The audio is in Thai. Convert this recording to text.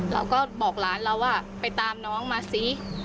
เราก็บอกหลานเราว่าไปตามน้องมาซิ